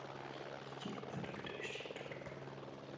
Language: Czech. Děti od té doby dojíždějí do Dubé.